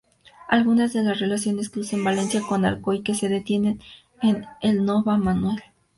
Algunas de las relaciones que unen Valencia con Alcoy se detienen en L'Enova-Manuel.